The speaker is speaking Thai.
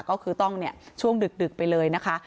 ก็คือต้องช่วงดึกไปเลยนะคะ